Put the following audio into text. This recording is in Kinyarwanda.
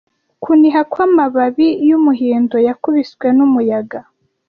Kuniha kwamababi yumuhindo yakubiswe numuyaga,